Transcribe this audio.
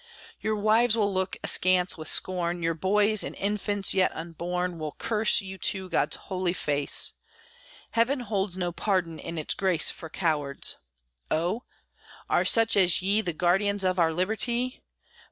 Your wives will look askance with scorn; Your boys, and infants yet unborn, Will curse you to God's holy face! Heaven holds no pardon in its grace For cowards. Oh! are such as ye The guardians of our liberty?